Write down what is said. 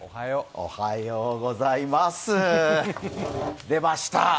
おはようございます、出ました。